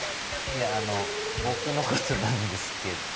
いやあの僕の事なんですけど。